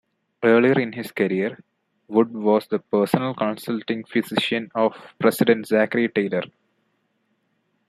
Earlier in his career Wood was the personal consulting physician of President Zachary Taylor.